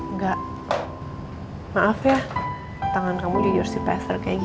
enggak maaf ya tangan kamu jadi ursipeser kayak gini